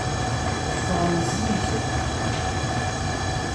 Ffɣen zik.